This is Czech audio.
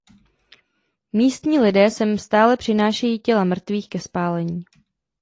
Místní lidé sem stále přinášejí těla mrtvých ke spálení.